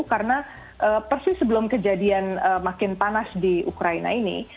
karena persis sebelum kejadian makin panas di ukraina ini